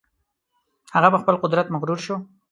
هغه په خپل قدرت مغرور شو.